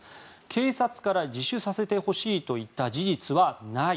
警察から自首させてほしいと言った事実はない。